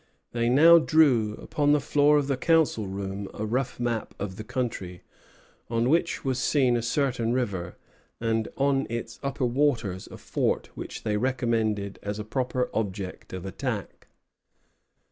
They now drew upon the floor of the council room a rough map of the country, on which was seen a certain river, and on its upper waters a fort which they recommended as a proper object of attack.